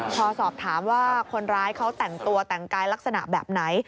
พอสอบถามว่าคนร้ายเขาแต่งตัวแต่งกายลักษณะแบบไหน